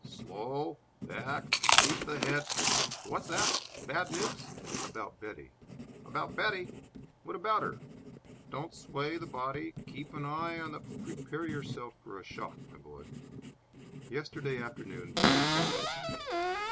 "Slow; back keep the head What's that? Bad news?" "About Betty." "About Betty? What about her? Don't sway the body keep the eye on the " "Prepare yourself for a shock, my boy. Yesterday afternoon Betty called to see me.